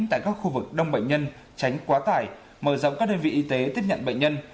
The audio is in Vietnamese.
tại các khu vực đông bệnh nhân tránh quá tải mở rộng các đơn vị y tế tiếp nhận bệnh nhân